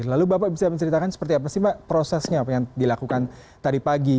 lalu bapak bisa menceritakan seperti apa sih mbak prosesnya yang dilakukan tadi pagi